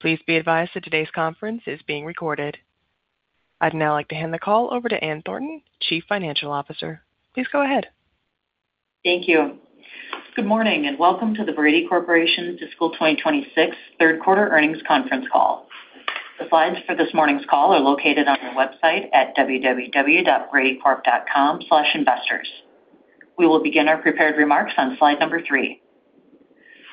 Please be advised that today's conference is being recorded. I'd now like to hand the call over to Ann Thornton, Chief Financial Officer. Please go ahead. Thank you. Good morning, and welcome to the Brady Corporation fiscal 2026 third quarter earnings conference call. The slides for this morning's call are located on our website at www.bradycorp.com/investors. We will begin our prepared remarks on slide number three.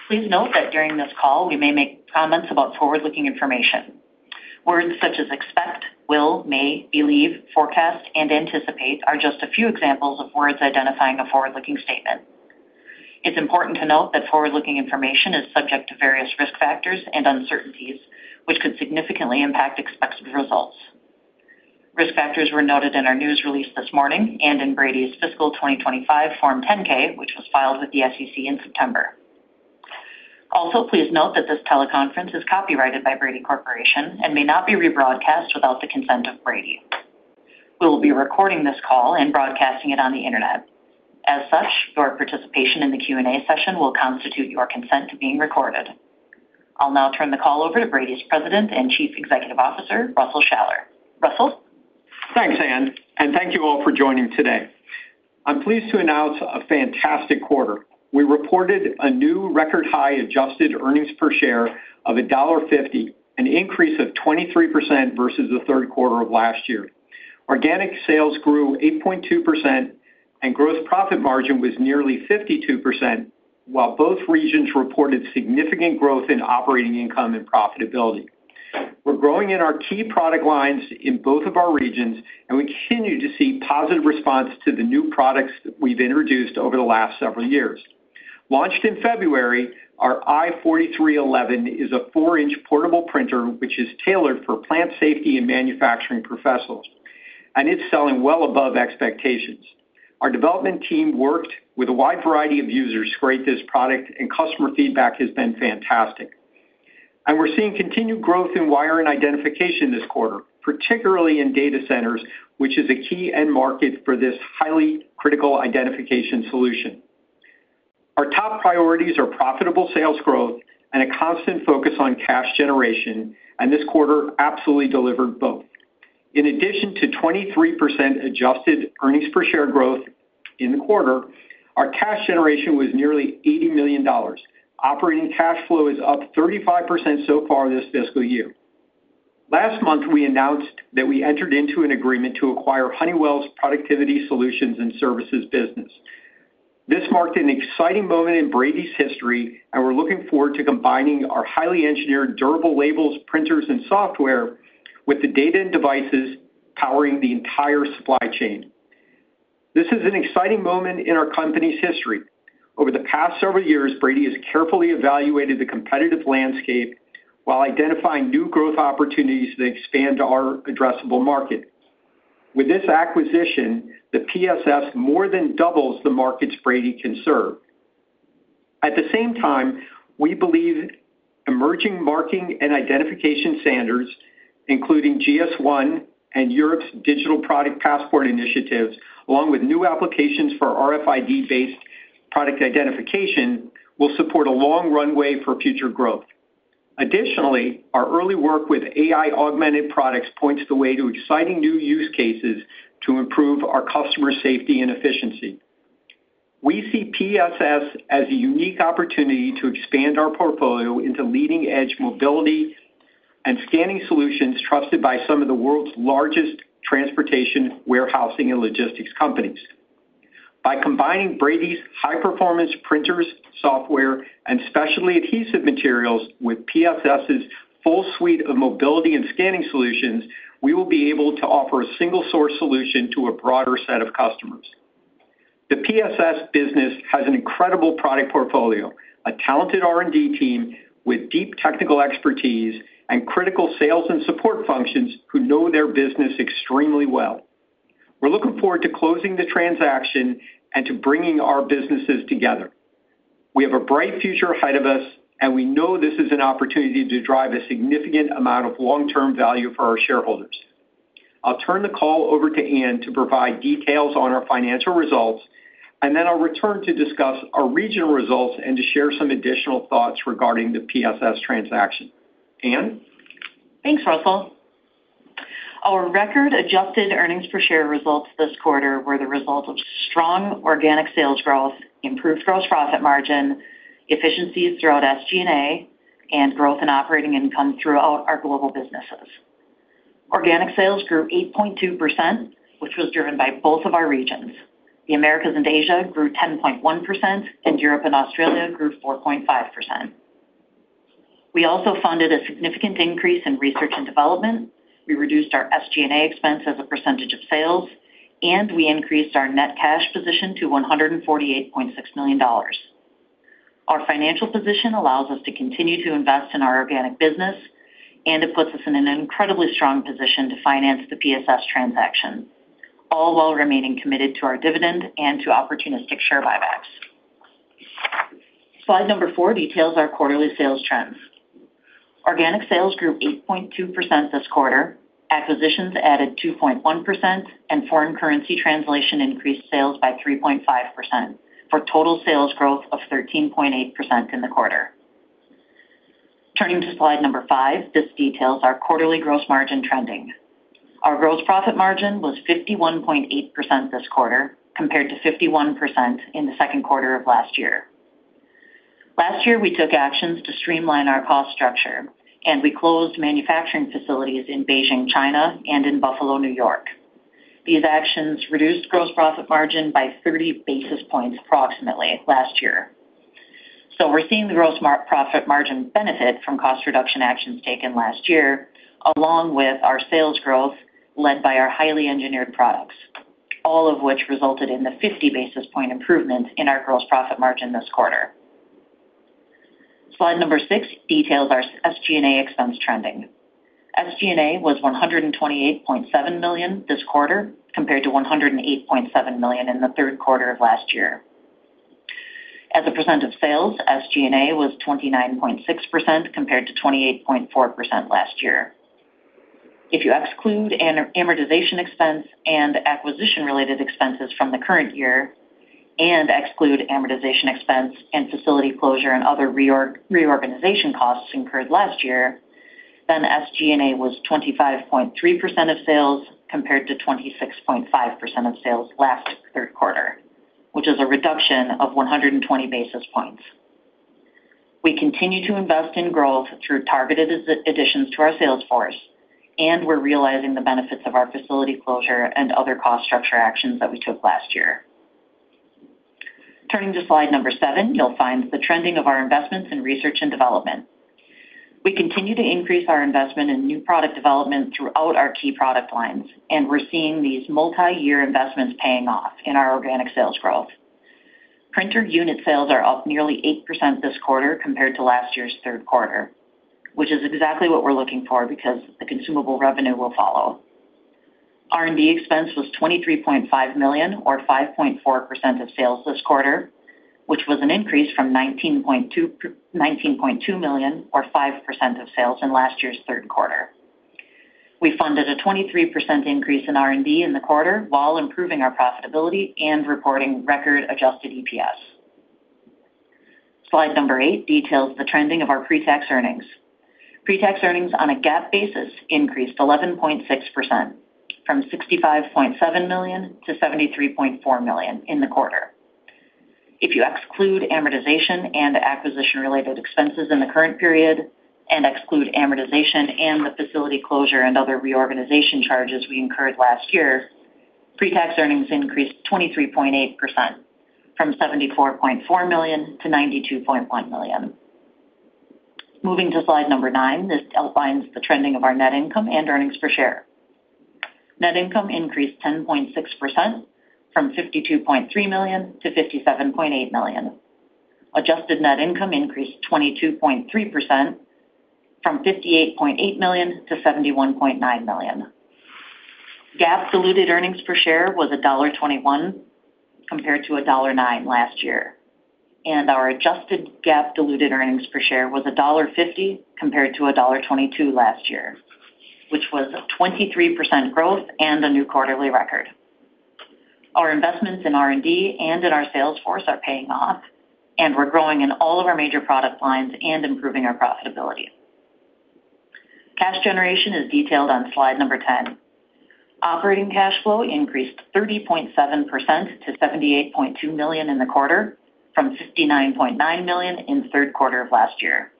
Please note that during this call, we may make comments about forward-looking information. Words such as expect, will, may, believe, forecast, and anticipate are just a few examples of words identifying a forward-looking statement. It's important to note that forward-looking information is subject to various risk factors and uncertainties, which could significantly impact expected results. Risk factors were noted in our news release this morning and in Brady's fiscal 2025 Form 10-K, which was filed with the SEC in September. Please note that this teleconference is copyrighted by Brady Corporation and may not be rebroadcast without the consent of Brady. We will be recording this call and broadcasting it on the Internet. As such, your participation in the Q&A session will constitute your consent to being recorded. I'll now turn the call over to Brady's President and Chief Executive Officer, Russell Shaller. Russell? Thanks, Ann, thank you all for joining today. I'm pleased to announce a fantastic quarter. We reported a new record-high adjusted earnings per share of $1.50, an increase of 23% versus the third quarter of last year. Organic sales grew 8.2% and gross profit margin was nearly 52%, while both regions reported significant growth in operating income and profitability. We're growing in our key product lines in both of our regions, and we continue to see positive response to the new products we've introduced over the last several years. Launched in February, our i4311 is a four-inch portable printer which is tailored for plant safety and manufacturing professionals, and it's selling well above expectations. Our development team worked with a wide variety of users to create this product, and customer feedback has been fantastic. We're seeing continued growth in wire and identification this quarter, particularly in data centers, which is a key end market for this highly critical identification solution. Our top priorities are profitable sales growth and a constant focus on cash generation, and this quarter absolutely delivered both. In addition to 23% adjusted earnings per share growth in the quarter, our cash generation was nearly $80 million. Operating cash flow is up 35% so far this fiscal year. Last month, we announced that we entered into an agreement to acquire Honeywell's Productivity Solutions and Services business. This marked an exciting moment in Brady's history, and we're looking forward to combining our highly engineered durable labels, printers, and software with the data and devices powering the entire supply chain. This is an exciting moment in our company's history. Over the past several years, Brady has carefully evaluated the competitive landscape while identifying new growth opportunities to expand our addressable market. With this acquisition, the PSS more than doubles the markets Brady can serve. At the same time, we believe emerging marking and identification standards, including GS1 and Europe's Digital Product Passport initiatives, along with new applications for RFID-based product identification, will support a long runway for future growth. Additionally, our early work with AI-augmented products points the way to exciting new use cases to improve our customer safety and efficiency. We see PSS as a unique opportunity to expand our portfolio into leading-edge mobility and scanning solutions trusted by some of the world's largest transportation, warehousing, and logistics companies. By combining Brady's high-performance printers, software, and specialty adhesive materials with PSS's full suite of mobility and scanning solutions, we will be able to offer a single-source solution to a broader set of customers. The PSS business has an incredible product portfolio, a talented R&D team with deep technical expertise, and critical sales and support functions who know their business extremely well. We're looking forward to closing the transaction and to bringing our businesses together. We have a bright future ahead of us, and we know this is an opportunity to drive a significant amount of long-term value for our shareholders. I'll turn the call over to Ann to provide details on our financial results, then I'll return to discuss our regional results and to share some additional thoughts regarding the PSS transaction. Ann? Thanks, Russell. Our record-adjusted earnings per share results this quarter were the result of strong organic sales growth, improved gross profit margin, efficiencies throughout SG&A, and growth in operating income throughout our global businesses. Organic sales grew 8.2%, which was driven by both of our regions. The Americas and Asia grew 10.1%, and Europe and Australia grew 4.5%. We also funded a significant increase in research and development. We reduced our SG&A expense as a percentage of sales, and we increased our net cash position to $148.6 million. Our financial position allows us to continue to invest in our organic business, and it puts us in an incredibly strong position to finance the PSS transaction, all while remaining committed to our dividend and to opportunistic share buybacks. Slide number four details our quarterly sales trends. Organic sales grew 8.2% this quarter. Acquisitions added 2.1%, and foreign currency translation increased sales by 3.5% for total sales growth of 13.8% in the quarter. Turning to slide number five, this details our quarterly gross margin trending. Our gross profit margin was 51.8% this quarter compared to 51% in the second quarter of last year. Last year, we took actions to streamline our cost structure, and we closed manufacturing facilities in Beijing, China and in Buffalo, New York. These actions reduced gross profit margin by 30 basis points approximately last year. We're seeing the gross profit margin benefit from cost reduction actions taken last year, along with our sales growth led by our highly engineered products, all of which resulted in the 50 basis point improvements in our gross profit margin this quarter. Slide number six details our SG&A expense trending. SG&A was $128.7 million this quarter compared to $108.7 million in the third quarter of last year. As a % of sales, SG&A was 29.6% compared to 28.4% last year. If you exclude amortization expense and acquisition-related expenses from the current year and exclude amortization expense and facility closure and other reorganization costs incurred last year, then SG&A was 25.3% of sales, compared to 26.5% of sales last third quarter, which is a reduction of 120 basis points. We continue to invest in growth through targeted additions to our sales force, and we're realizing the benefits of our facility closure and other cost structure actions that we took last year. Turning to slide number seven, you'll find the trending of our investments in research and development. We continue to increase our investment in new product development throughout our key product lines, and we're seeing these multi-year investments paying off in our organic sales growth. Printer unit sales are up nearly 8% this quarter compared to last year's third quarter, which is exactly what we're looking for because the consumable revenue will follow. R&D expense was $23.5 million or 5.4% of sales this quarter, which was an increase from $19.2 million or 5% of sales in last year's third quarter. We funded a 23% increase in R&D in the quarter while improving our profitability and reporting record adjusted EPS. Slide number eight details the trending of our pre-tax earnings. Pre-tax earnings on a GAAP basis increased 11.6% from $65.7 million to $73.4 million in the quarter. If you exclude amortization and acquisition-related expenses in the current period and exclude amortization and the facility closure and other reorganization charges we incurred last year, pre-tax earnings increased 23.8% from $74.4 million to $92.1 million. Moving to slide number nine, this outlines the trending of our net income and earnings per share. Net income increased 10.6% from $52.3 million to $57.8 million. Adjusted net income increased 22.3% from $58.8 million to $71.9 million. GAAP diluted earnings per share was $1.21 compared to $1.09 last year, and our adjusted GAAP diluted earnings per share was $1.50 compared to $1.22 last year, which was a 23% growth and a new quarterly record. Our investments in R&D and in our sales force are paying off. We're growing in all of our major product lines and improving our profitability. Cash generation is detailed on slide number 10. Operating cash flow increased 30.7% to $78.2 million in the quarter from $69.9 million in third quarter of last year.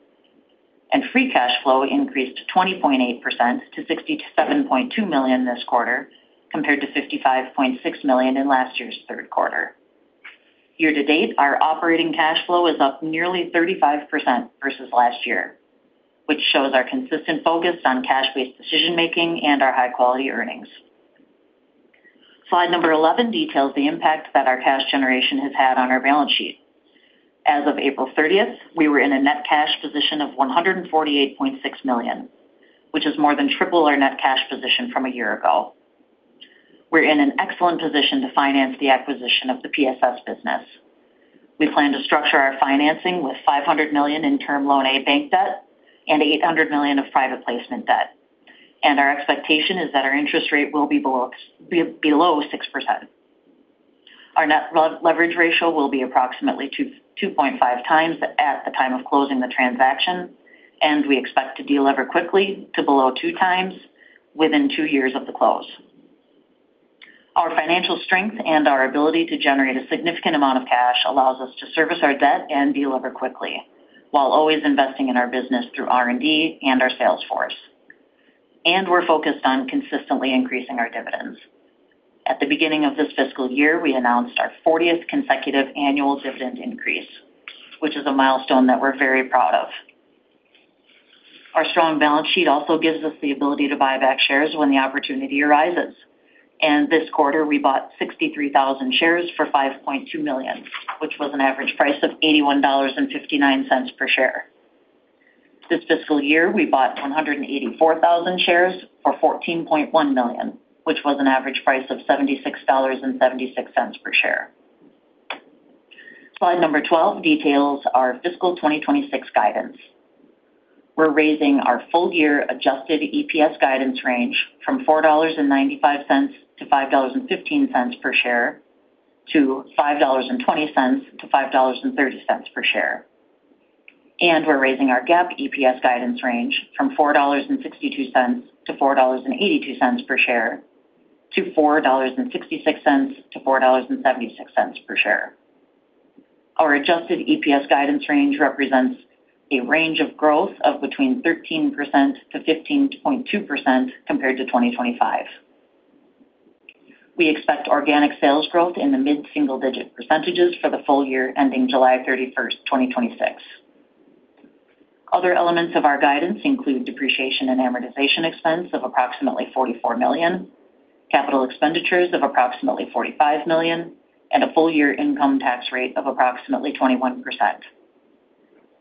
Free cash flow increased 20.8% to $67.2 million this quarter compared to $55.6 million in last year's third quarter. Year to date, our operating cash flow is up nearly 35% versus last year, which shows our consistent focus on cash-based decision-making and our high-quality earnings. Slide number 11 details the impact that our cash generation has had on our balance sheet. As of April 30th, we were in a net cash position of $148.6 million, which is more than triple our net cash position from a year ago. We're in an excellent position to finance the acquisition of the PSS business. We plan to structure our financing with $500 million in Term Loan A bank debt and $800 million of private placement debt. Our expectation is that our interest rate will be below 6%. Our net leverage ratio will be approximately 2-2.5x at the time of closing the transaction, and we expect to delever quickly to below 2x within two years of the close. Our financial strength and our ability to generate a significant amount of cash allows us to service our debt and delever quickly while always investing in our business through R&D and our sales force. We're focused on consistently increasing our dividends. At the beginning of this fiscal year, we announced our 40th consecutive annual dividend increase, which is a milestone that we're very proud of. Our strong balance sheet also gives us the ability to buy back shares when the opportunity arises. This quarter, we bought 63,000 shares for $5.2 million, which was an average price of $81.59 per share. This fiscal year, we bought 184,000 shares for $14.1 million, which was an average price of $76.76 per share. Slide number 12 details our fiscal 2026 guidance. We're raising our full year adjusted EPS guidance range from $4.95-$5.15 per share to $5.20-$5.30 per share. We're raising our GAAP EPS guidance range from $4.62-$4.82 per share to $4.66-$4.76 per share. Our adjusted EPS guidance range represents a range of growth of between 13% to 15.2% compared to 2025. We expect organic sales growth in the mid-single-digit percentages for the full year ending July 31st, 2026. Other elements of our guidance include depreciation and amortization expense of approximately $44 million, capital expenditures of approximately $45 million, and a full-year income tax rate of approximately 21%.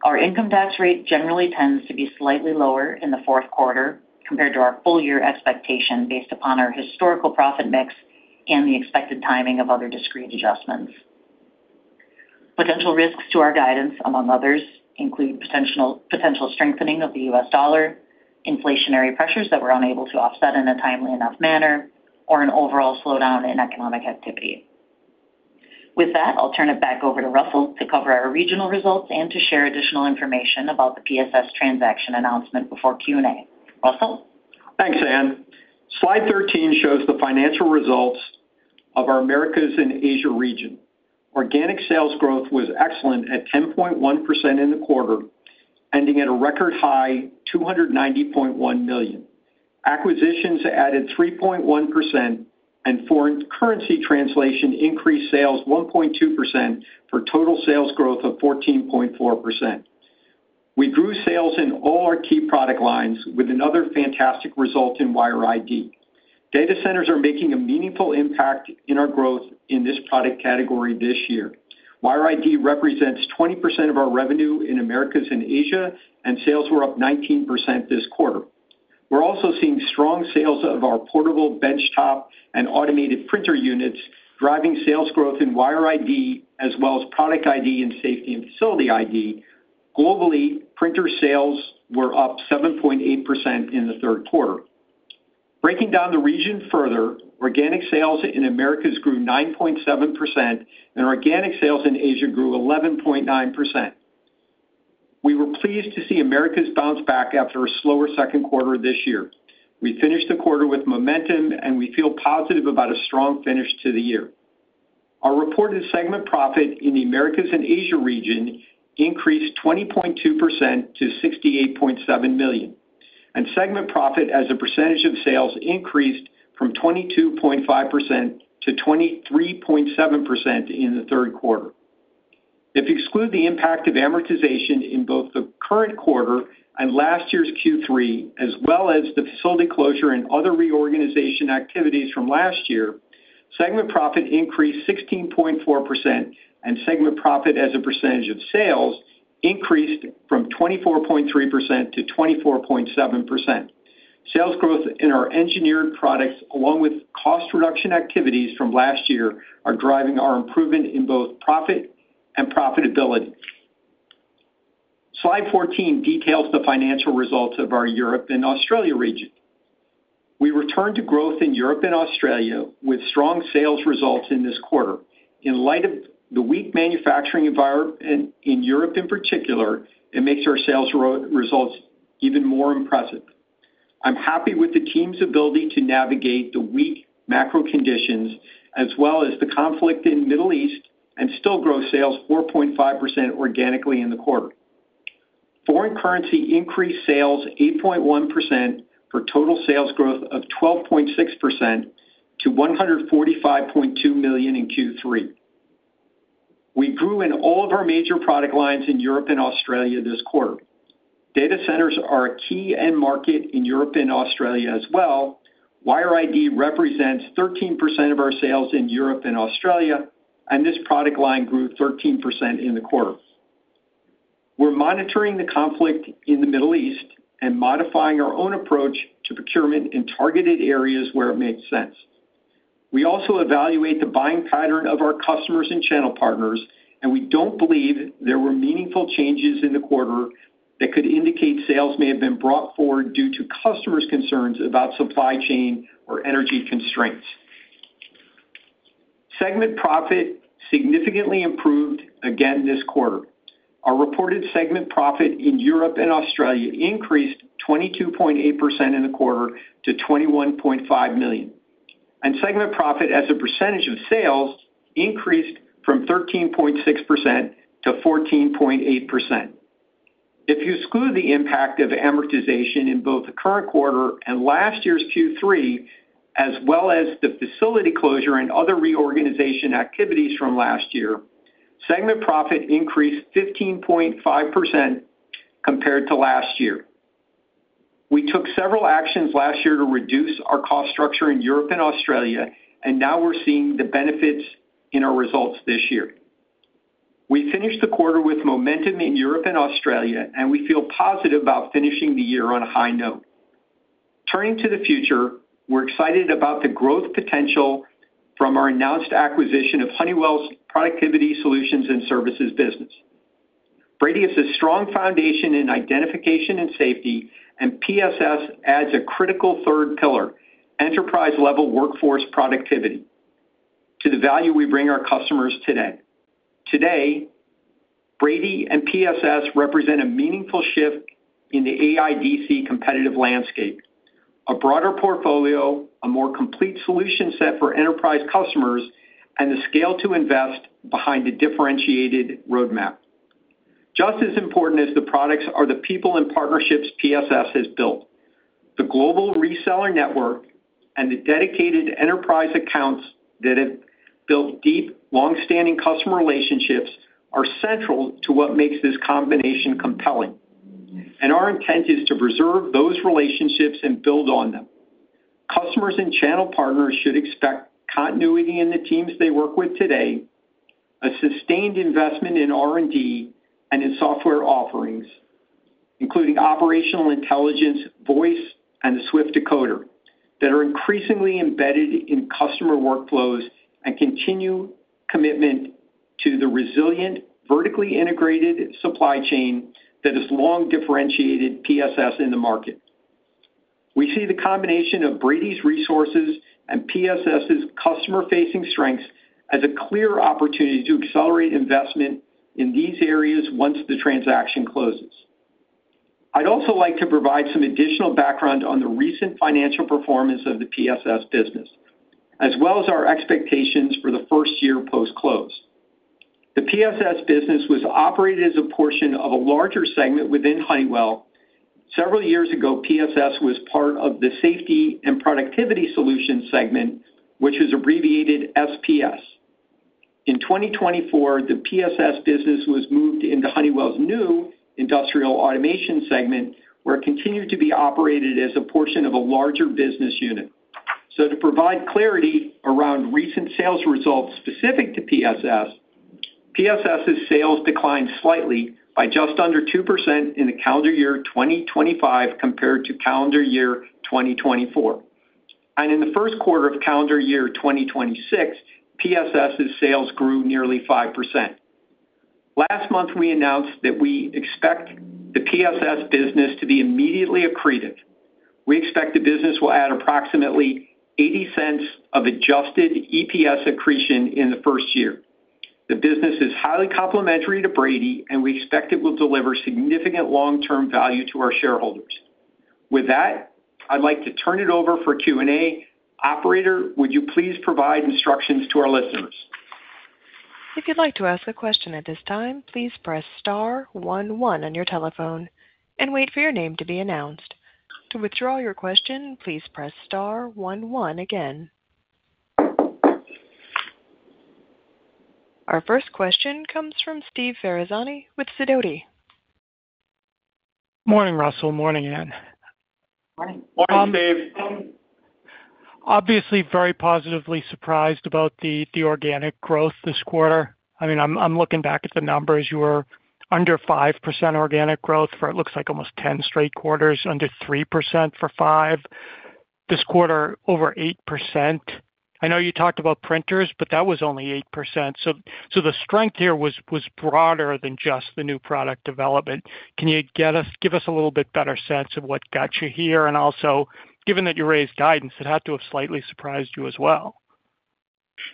Our income tax rate generally tends to be slightly lower in the fourth quarter compared to our full year expectation based upon our historical profit mix and the expected timing of other discrete adjustments. Potential risks to our guidance, among others, include potential strengthening of the US dollar, inflationary pressures that we're unable to offset in a timely enough manner or an overall slowdown in economic activity. With that, I'll turn it back over to Russell to cover our regional results and to share additional information about the PSS transaction announcement before Q&A. Russell. Thanks, Ann. Slide 13 shows the financial results of our Americas and Asia region. Organic sales growth was excellent at 10.1% in the quarter, ending at a record high $290.1 million. Acquisitions added 3.1%, Foreign currency translation increased sales 1.2% for total sales growth of 14.4%. We grew sales in all our key product lines with another fantastic result in Wire ID. Data centers are making a meaningful impact in our growth in this product category this year. Wire ID represents 20% of our revenue in Americas and Asia, and sales were up 19% this quarter. We're also seeing strong sales of our portable benchtop and automated printer units, driving sales growth in Wire ID as well as Product ID and Safety and Facility ID. Globally, printer sales were up 7.8% in the third quarter. Breaking down the region further, organic sales in Americas grew 9.7%, and organic sales in Asia grew 11.9%. We were pleased to see Americas bounce back after a slower second quarter this year. We finished the quarter with momentum, and we feel positive about a strong finish to the year. Our reported segment profit in the Americas and Asia region increased 20.2% to $68.7 million, and segment profit as a percentage of sales increased from 22.5%-23.7% in the third quarter. If you exclude the impact of amortization in both the current quarter and last year's Q3, as well as the facility closure and other reorganization activities from last year, segment profit increased 16.4%, and segment profit as a percentage of sales increased from 24.3%-24.7%. Sales growth in our engineered products, along with cost reduction activities from last year, are driving our improvement in both profit and profitability. Slide 14 details the financial results of our Europe and Australia region. We returned to growth in Europe and Australia with strong sales results in this quarter. In light of the weak manufacturing environment in Europe in particular, it makes our sales results even more impressive. I'm happy with the team's ability to navigate the weak macro conditions as well as the conflict in Middle East and still grow sales 4.5% organically in the quarter. Foreign currency increased sales 8.1% for total sales growth of 12.6% to $145.2 million in Q3. We grew in all of our major product lines in Europe and Australia this quarter. Data centers are a key end market in Europe and Australia as well. Wire ID represents 13% of our sales in Europe and Australia, and this product line grew 13% in the quarter. We're monitoring the conflict in the Middle East and modifying our own approach to procurement in targeted areas where it makes sense. We also evaluate the buying pattern of our customers and channel partners, and we don't believe there were meaningful changes in the quarter that could indicate sales may have been brought forward due to customers' concerns about supply chain or energy constraints. Segment profit significantly improved again this quarter. Our reported segment profit in Europe and Australia increased 22.8% in the quarter to $21.5 million. Segment profit as a percentage of sales increased from 13.6%-14.8%. If you exclude the impact of amortization in both the current quarter and last year's Q3, as well as the facility closure and other reorganization activities from last year, segment profit increased 15.5% compared to last year. We took several actions last year to reduce our cost structure in Europe and Australia, and now we're seeing the benefits in our results this year. We finished the quarter with momentum in Europe and Australia, and we feel positive about finishing the year on a high note. Turning to the future, we're excited about the growth potential from our announced acquisition of Honeywell's Productivity Solutions and Services business. Brady has a strong foundation in identification and safety, and PSS adds a critical third pillar, enterprise-level workforce productivity, to the value we bring our customers today. Today, Brady and PSS represent a meaningful shift in the AIDC competitive landscape, a broader portfolio, a more complete solution set for enterprise customers, and the scale to invest behind a differentiated roadmap. Just as important as the products are the people and partnerships PSS has built. The global reseller network and the dedicated enterprise accounts that have built deep, longstanding customer relationships are central to what makes this combination compelling. Our intent is to preserve those relationships and build on them. Customers and channel partners should expect continuity in the teams they work with today, a sustained investment in R&D and in software offerings, including operational intelligence, voice, and the SwiftDecoder that are increasingly embedded in customer workflows and continue commitment to the resilient, vertically integrated supply chain that has long differentiated PSS in the market. We see the combination of Brady's resources and PSS's customer-facing strengths as a clear opportunity to accelerate investment in these areas once the transaction closes. I'd also like to provide some additional background on the recent financial performance of the PSS business, as well as our expectations for the first year post-close. The PSS business was operated as a portion of a larger segment within Honeywell. Several years ago, PSS was part of the Safety and Productivity Solutions segment, which is abbreviated SPS. In 2024, the PSS business was moved into Honeywell's new Industrial Automation segment, where it continued to be operated as a portion of a larger business unit. To provide clarity around recent sales results specific to PSS's sales declined slightly by just under 2% in the calendar year 2025 compared to calendar year 2024. In the first quarter of calendar year 2026, PSS's sales grew nearly 5%. Last month, we announced that we expect the PSS business to be immediately accretive. We expect the business will add approximately $0.80 of adjusted EPS accretion in the first year. The business is highly complementary to Brady, and we expect it will deliver significant long-term value to our shareholders. With that, I'd like to turn it over for Q&A. Operator, would you please provide instructions to our listeners? If you'd like to ask a question at this time, please press star one one on your telephone and wait for your name to be announced. To withdraw your question, please press star one one again. Our first question comes from Steve Ferazani with Sidoti. Morning, Russell. Morning, Ann. Morning, Steve. Obviously, very positively surprised about the organic growth this quarter. I mean, I'm looking back at the numbers. You were under 5% organic growth for it looks like almost 10 straight quarters, under 3% for five. This quarter, over 8%. I know you talked about printers, that was only 8%. The strength here was broader than just the new product development. Can you give us a little bit better sense of what got you here? Also, given that you raised guidance, it had to have slightly surprised you as well.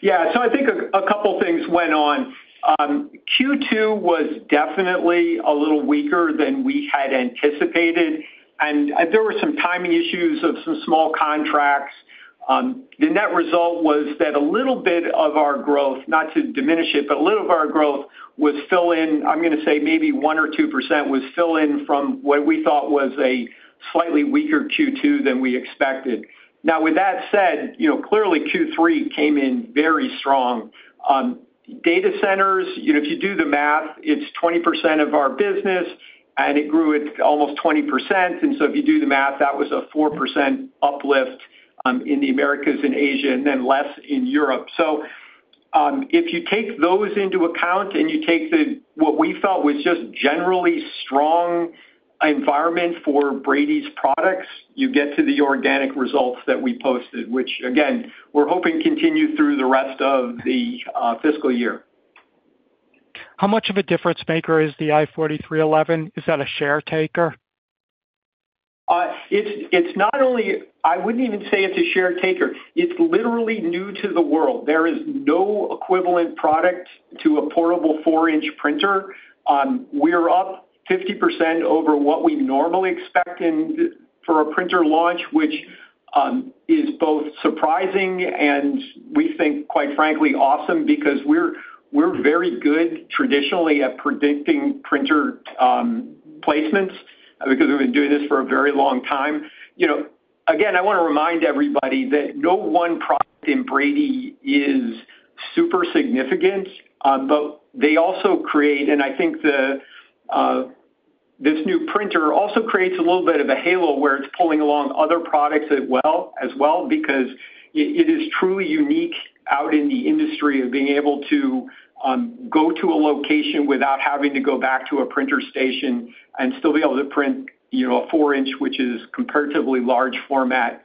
Yeah. I think a couple things went on. Q2 was definitely a little weaker than we had anticipated, and there were some timing issues of some small contracts. The net result was that a little bit of our growth, not to diminish it, but a little of our growth was fill in, I'm gonna say maybe 1% or 2%, was fill in from what we thought was a slightly weaker Q2 than we expected. Now with that said, you know, clearly Q3 came in very strong. Data centers, you know, if you do the math, it's 20% of our business, and it grew at almost 20%. If you do the math, that was a 4% uplift in the Americas and Asia, and then less in Europe. If you take those into account and you take the, what we felt was just generally strong environment for Brady's products, you get to the organic results that we posted, which again, we're hoping continue through the rest of the fiscal year. How much of a difference maker is the i4311? Is that a share taker? I wouldn't even say it's a share taker. It's literally new to the world. There is no equivalent product to a portable four-inch printer. We're up 50% over what we normally expect for a printer launch, which is both surprising and we think, quite frankly, awesome because we're very good traditionally at predicting printer placements because we've been doing this for a very long time. You know, again, I wanna remind everybody that no one product in Brady is super significant, but they also create, and I think this new printer also creates a little bit of a halo where it's pulling along other products as well, because it is truly unique out in the industry of being able to go to a location without having to go back to a printer station and still be able to print, you know, a four-inch, which is comparatively large format,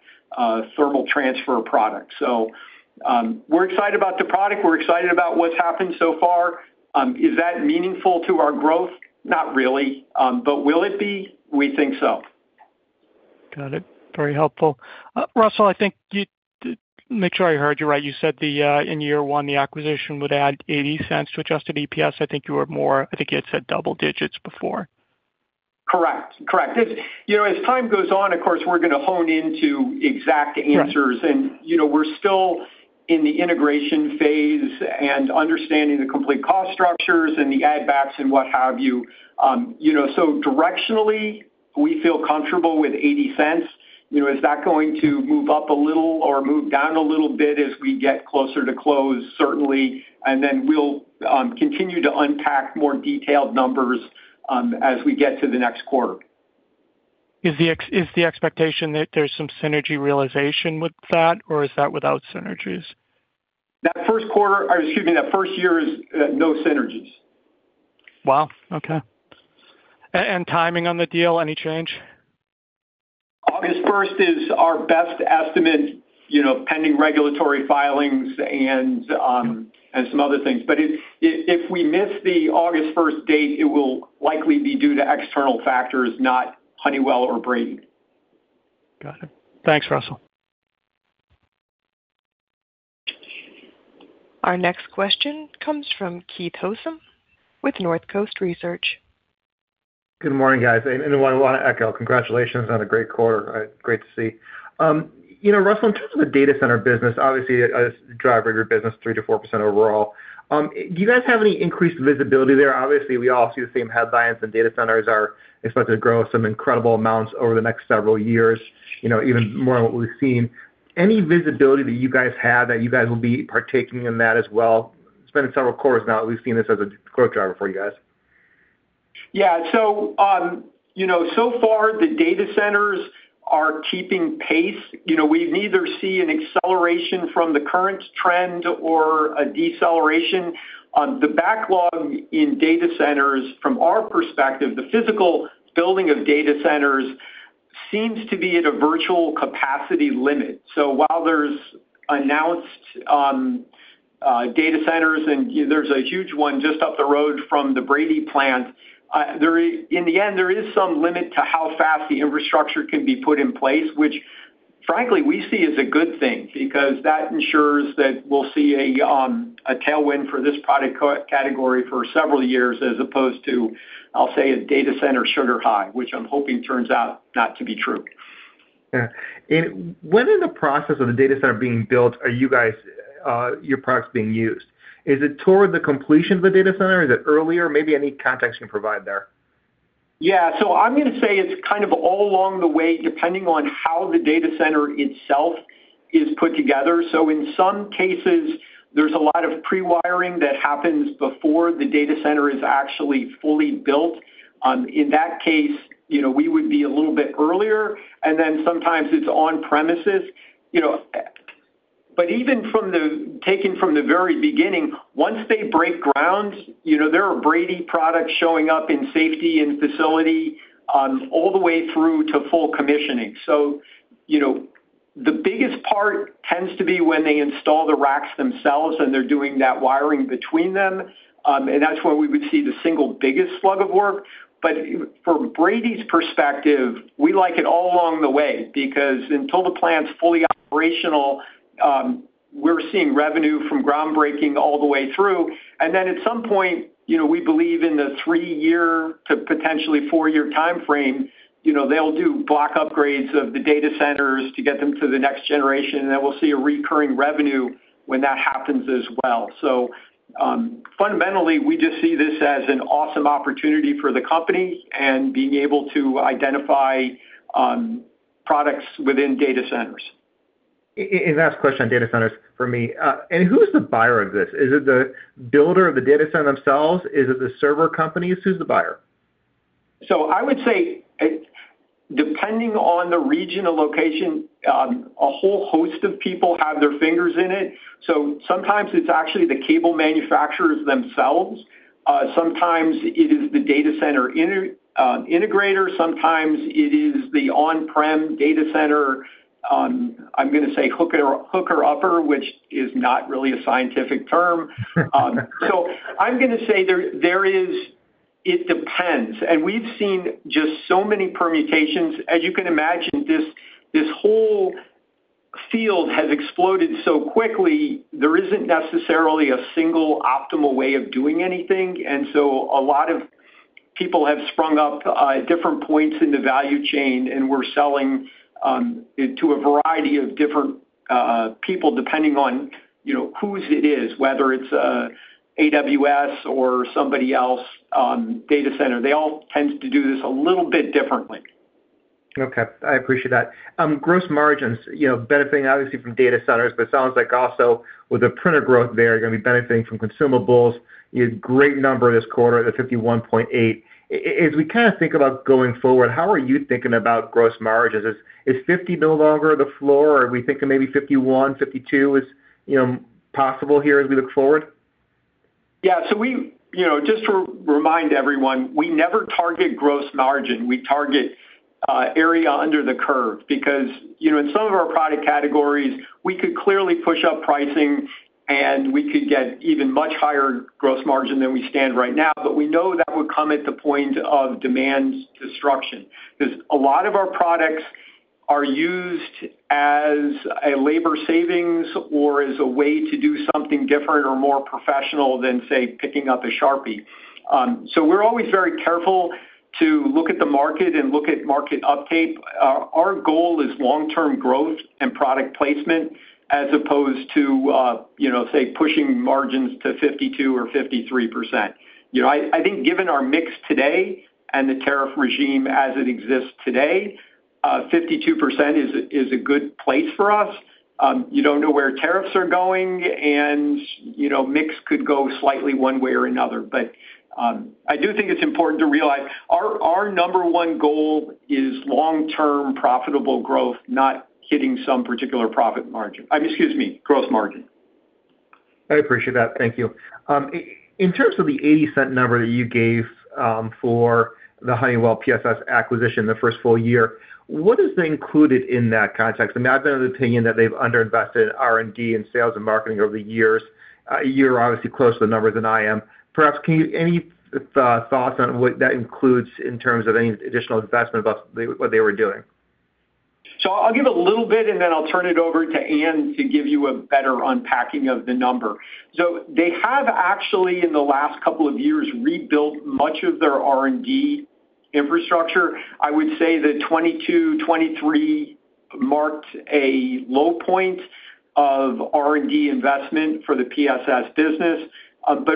thermal transfer product. We're excited about the product. We're excited about what's happened so far. Is that meaningful to our growth? Not really. Will it be? We think so. Got it. Very helpful. Russell, I think, make sure I heard you right. You said, in year one, the acquisition would add $0.80 to adjusted EPS. I think you had said double digits before. Correct. Correct. It's, you know, as time goes on, of course, we're gonna hone into exact answers. Right. You know, we're still in the integration phase and understanding the complete cost structures and the add backs and what have you. You know, directionally, we feel comfortable with $0.80. Is that going to move up a little or move down a little bit as we get closer to close? Certainly. Then we'll continue to unpack more detailed numbers as we get to the next quarter. Is the expectation that there's some synergy realization with that, or is that without synergies? That first quarter, or excuse me, that first year is no synergies. Wow, okay. Timing on the deal, any change? August first is our best estimate, you know, pending regulatory filings and some other things. If we miss the August first date, it will likely be due to external factors, not Honeywell or Brady. Got it. Thanks, Russell. Our next question comes from Keith Housum with Northcoast Research. Good morning, guys. I want to echo congratulations on a great quarter. Great to see. You know Russell, in terms of the data center business, obviously a driver of your business 3%-4% overall. Do you guys have any increased visibility there? Obviously, we all see the same headlines, data centers are expected to grow some incredible amounts over the next several years, you know, even more than what we've seen. Any visibility that you guys have that you guys will be partaking in that as well? It's been several quarters now that we've seen this as a growth driver for you guys. Yeah. You know, so far the data centers are keeping pace. You know, we neither see an acceleration from the current trend or a deceleration. The backlog in data centers from our perspective, the physical building of data centers seems to be at a virtual capacity limit. While there's announced data centers, and there's a huge one just up the road from the Brady plant, in the end, there is some limit to how fast the infrastructure can be put in place, which frankly, we see as a good thing because that ensures that we'll see a tailwind for this product category for several years as opposed to, I'll say, a data center sugar high, which I'm hoping turns out not to be true. Yeah. When in the process of the data center being built are you guys, your products being used? Is it toward the completion of the data center? Is it earlier? Maybe any context you can provide there. Yeah. I'm gonna say it's kind of all along the way, depending on how the data center itself is put together. In some cases, there's a lot of pre-wiring that happens before the data center is actually fully built. In that case, you know, we would be a little bit earlier, and then sometimes it's on premises, you know. Even from the very beginning, once they break ground, you know, there are Brady products showing up in safety and facility all the way through to full commissioning. You know, the biggest part tends to be when they install the racks themselves, and they're doing that wiring between them. That's where we would see the single biggest slug of work. From Brady's perspective, we like it all along the way because until the plant's fully operational, we're seeing revenue from groundbreaking all the way through. At some point, you know, we believe in the three-year to potentially four-year timeframe, you know, they'll do block upgrades of the data centers to get them to the next generation, and then we'll see a recurring revenue when that happens as well. Fundamentally, we just see this as an awesome opportunity for the company and being able to identify products within data centers. Last question on data centers for me. Who's the buyer of this? Is it the builder of the data center themselves? Is it the server companies? Who's the buyer? I would say, depending on the regional location, a whole host of people have their fingers in it. Sometimes it is the cable manufacturers themselves. Sometimes it is the data center integrator. Sometimes it is the on-prem data center, I'm gonna say hooker upper, which is not really a scientific term. I'm gonna say there is it depends. We've seen just so many permutations. As you can imagine, this whole field has exploded so quickly, there isn't necessarily a single optimal way of doing anything. A lot of people have sprung up different points in the value chain, and we're selling it to a variety of different people depending on, you know, whose it is, whether it's AWS or somebody else, data center. They all tend to do this a little bit differently. Okay. I appreciate that. Gross margins, you know, benefiting obviously from data centers, but it sounds like also with the printer growth there, you're gonna be benefiting from consumables. You know, great number this quarter, the 51.8%. As we kind of think about going forward, how are you thinking about gross margins? Is 50% no longer the floor? Are we thinking maybe 51%, 52% is, you know, possible here as we look forward? Yeah. We, you know, just to remind everyone, we never target gross margin. We target area under the curve because, you know, in some of our product categories, we could clearly push up pricing, and we could get even much higher gross margin than we stand right now. We know that would come at the point of demand destruction. 'Cause a lot of our products are used as a labor savings or as a way to do something different or more professional than, say, picking up a Sharpie. We're always very careful to look at the market and look at market uptake. Our goal is long-term growth and product placement as opposed to, you know, say pushing margins to 52% or 53%. You know, I think given our mix today and the tariff regime as it exists today, 52% is a good place for us. You don't know where tariffs are going, and, you know, mix could go slightly one way or another. I do think it's important to realize our number one goal is long-term profitable growth, not hitting some particular profit margin I mean, excuse me, gross margin. I appreciate that. Thank you. In terms of the $0.80 number that you gave for the Honeywell PSS acquisition the first full year, what is included in that context? I mean, I've been of the opinion that they've underinvested R&D and sales and marketing over the years. You're obviously closer to the number than I am. Perhaps can you Any thoughts on what that includes in terms of any additional investment above what they were doing? I'll give a little bit, and then I'll turn it over to Ann to give you a better unpacking of the number. They have actually, in the last couple of years, rebuilt much of their R&D infrastructure. I would say that 2022, 2023 marked a low point of R&D investment for the PSS business.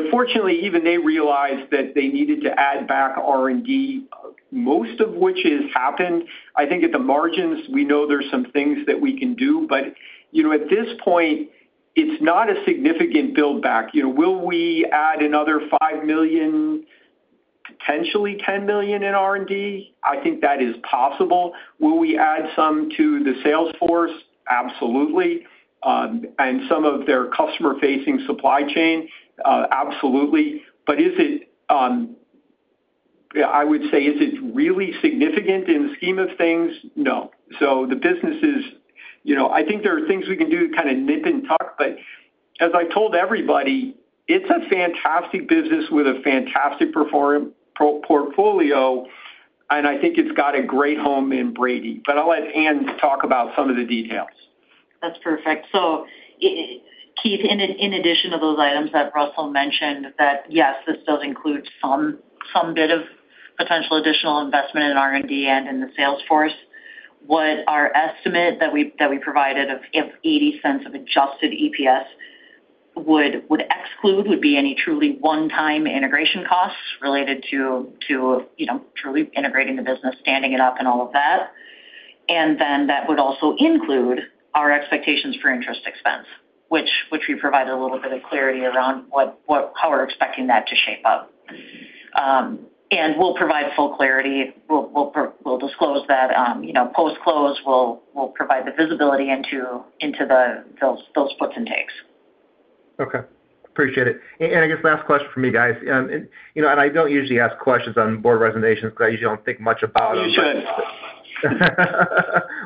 Fortunately, even they realized that they needed to add back R&D, most of which has happened. I think at the margins, we know there's some things that we can do. You know, at this point, it's not a significant build back. Will we add another $5 million, potentially $10 million in R&D? I think that is possible. Will we add some to the sales force? Absolutely. Some of their customer-facing supply chain? Absolutely. Is it, I would say, is it really significant in the scheme of things? No. The business is You know, I think there are things we can do to kind of nip and tuck. As I told everybody, it's a fantastic business with a fantastic portfolio, and I think it's got a great home in Brady. I'll let Ann talk about some of the details. That's perfect. Keith, in addition to those items that Russell mentioned, that yes, this does include some bit of potential additional investment in R&D and in the sales force. What our estimate that we provided of if $0.80 of adjusted EPS would exclude would be any truly one-time integration costs related to, you know, truly integrating the business, standing it up, and all of that. That would also include our expectations for interest expense, which we provided a little bit of clarity around what how we're expecting that to shape up. We'll provide full clarity. We'll disclose that. You know, post-close, we'll provide the visibility into the, those puts and takes. Okay. Appreciate it. I guess last question from me, guys. You know, I don't usually ask questions on board resignations because I usually don't think much about them. You should.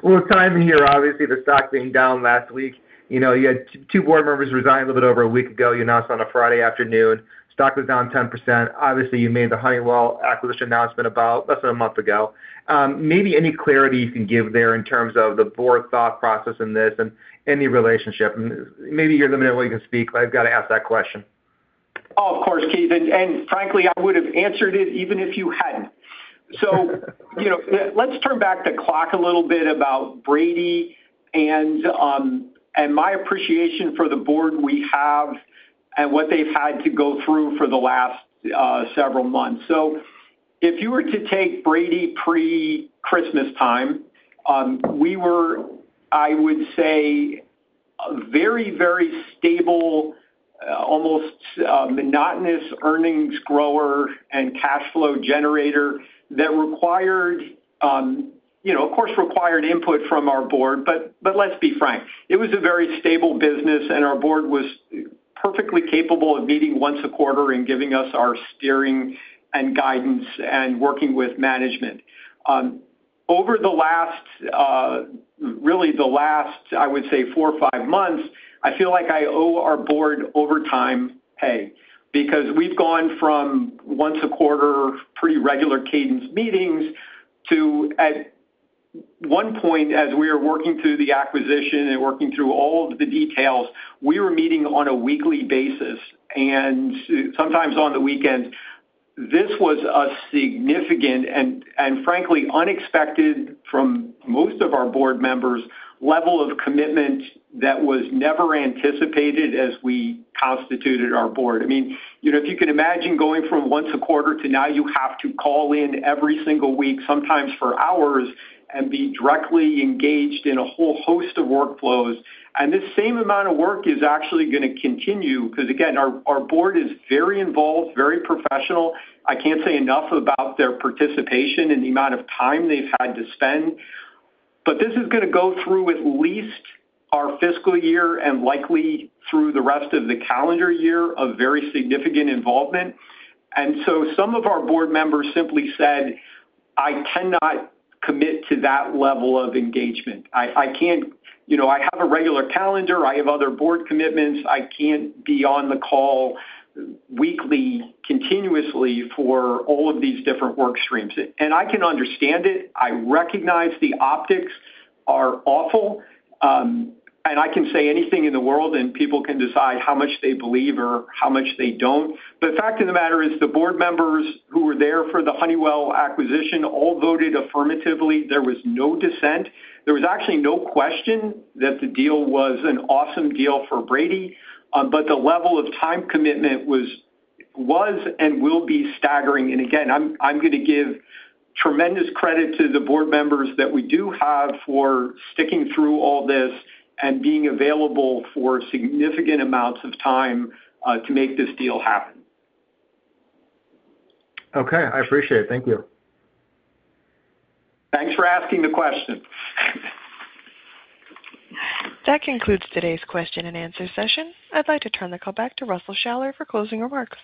Well, timing here, obviously the stock being down last week. You know, you had two board members resign a little bit over a week ago, you announced on a Friday afternoon. Stock was down 10%. Obviously, you made the Honeywell acquisition announcement about less than a month ago. Maybe any clarity you can give there in terms of the board thought process in this and any relationship. Maybe you're limited in what you can speak, but I've got to ask that question. Oh, of course, Keith. Frankly, I would have answered it even if you hadn't. You know, let's turn back the clock a little bit about Brady and my appreciation for the board we have and what they've had to go through for the last several months. If you were to take Brady pre-Christmastime, we were, I would say, a very, very stable, almost monotonous earnings grower and cash flow generator that required, you know, of course required input from our board. Let's be frank. It was a very stable business, our board was perfectly capable of meeting once a quarter and giving us our steering and guidance and working with management. Over the last, really the last, I would say, four or five months, I feel like I owe our board overtime pay because we've gone from once a quarter pretty regular cadence meetings to at one point, as we were working through the acquisition and working through all of the details, we were meeting on a weekly basis and sometimes on the weekends. This was a significant, and frankly unexpected from most of our board members, level of commitment that was never anticipated as we constituted our board. I mean, you know, if you can imagine going from once a quarter to now you have to call in every single week, sometimes for hours, and be directly engaged in a whole host of workflows. This same amount of work is actually gonna continue because, again, our board is very involved, very professional. I can't say enough about their participation and the amount of time they've had to spend. This is gonna go through at least our fiscal year and likely through the rest of the calendar year of very significant involvement. Some of our board members simply said, "I cannot commit to that level of engagement. I can't, you know, I have a regular calendar. I have other board commitments. I can't be on the call weekly, continuously for all of these different work streams." I can understand it. I recognize the optics are awful. I can say anything in the world, and people can decide how much they believe or how much they don't. The fact of the matter is the board members who were there for the Honeywell acquisition all voted affirmatively. There was no dissent. There was actually no question that the deal was an awesome deal for Brady. The level of time commitment was and will be staggering. Again, I'm gonna give tremendous credit to the board members that we do have for sticking through all this and being available for significant amounts of time to make this deal happen. Okay. I appreciate it. Thank you. Thanks for asking the question. That concludes today's question-and-answer session. I'd like to turn the call back to Russell Shaller for closing remarks.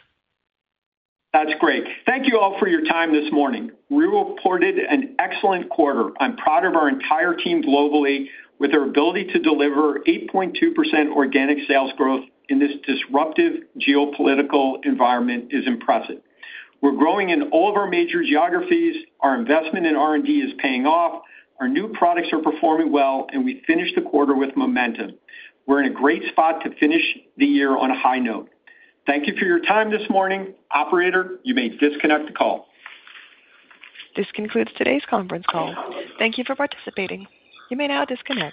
That's great. Thank you all for your time this morning. We reported an excellent quarter. I'm proud of our entire team globally. With their ability to deliver 8.2% organic sales growth in this disruptive geopolitical environment is impressive. We're growing in all of our major geographies. Our investment in R&D is paying off. Our new products are performing well, and we finished the quarter with momentum. We're in a great spot to finish the year on a high note. Thank you for your time this morning. Operator, you may disconnect the call. This concludes today's conference call. Thank you for participating. You may now disconnect.